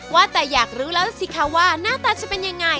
ว่าแต่อยากรู้แล้วสิคะว่าหน้าตาจะเป็นยังไง